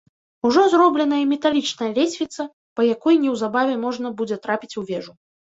Ужо зроблена і металічная лесвіца, па якой неўзабаве можна будзе трапіць у вежу.